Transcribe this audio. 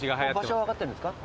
場所は分かってるんですか？